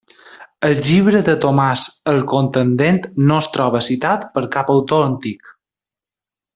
El Llibre de Tomàs el Contendent no es troba citat per cap autor antic.